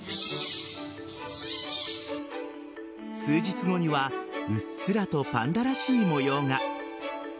数日後にはうっすらとパンダらしい模様が。